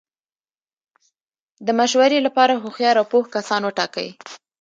د مشورې له پاره هوښیار او پوه کسان وټاکئ!